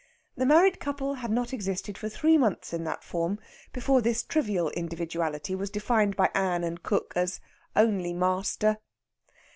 The married couple had not existed for three months in that form before this trivial individuality was defined by Ann and Cook as "only master."